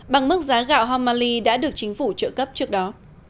bằng mức giá gạo homaly đã được chính phủ trợ cấp trước đó